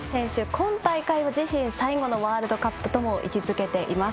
今大会を自身最後のワールドカップと位置づけています。